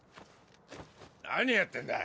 何やってんだ。